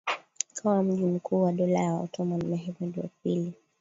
ikawa mji mkuu wa Dola ya Ottoman Mehmed wa pili